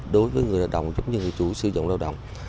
đối với người lao động giống như người chủ sử dụng lao động